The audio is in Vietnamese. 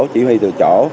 chỉ huy từ chỗ